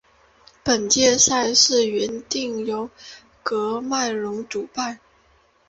本届赛事原定由喀麦隆主办。